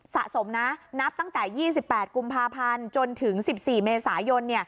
สะสมนะนับตั้งแต่๒๘กุมภาพันธ์จนถึง๑๔เมษายน